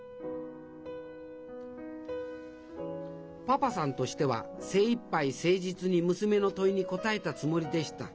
パパさんとしては精いっぱい誠実に娘の問いに答えたつもりでした。